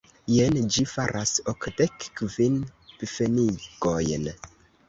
Jen, ĝi faras okdek kvin pfenigojn.